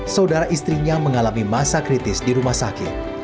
saudara istrinya mengalami masa kritis di rumah sakit